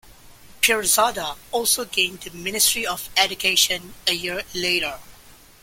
Pirzada also gained the Ministry of Education a year later.